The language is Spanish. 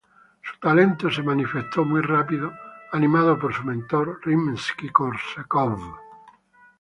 Su talento se manifestó muy rápido animado por su mentor Rimski-Korsakov.